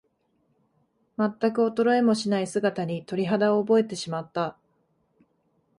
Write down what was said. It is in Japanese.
まったく衰えもしない姿に、鳥肌を覚えてしまった。